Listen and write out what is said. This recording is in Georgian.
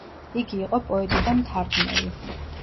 იგი იყო პოეტი და მთარგმნელი.